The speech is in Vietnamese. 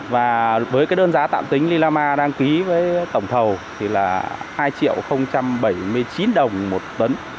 và với cái đơn giá tạm tính lilama đăng ký với tổng thầu thì là hai triệu bảy mươi chín đồng một tấn